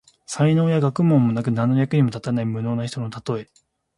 才能や学問もなく、何の役にも立たない無能な人のたとえ。